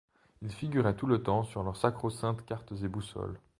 il figurait tout le temps sur leurs sacrosaintes cartes et boussoles.